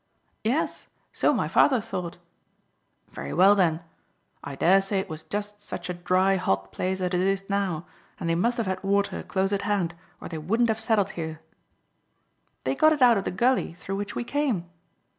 "Yes; so my father thought." "Very well, then; I dare say it was just such a dry, hot place as it is now, and they must have had water close at hand, or they wouldn't have settled here." "They got it out of the gully through which we came."